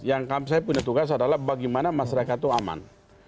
yang saya punya tugas adalah bagaimana masyarakat itu aman